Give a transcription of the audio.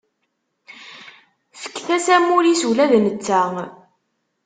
Fket-as amur-is ula d netta.